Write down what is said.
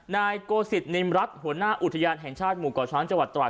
นายโกศิษนิมรัฐหัวหน้าอุทยานแห่งชาติหมู่ก่อช้างจังหวัดตราด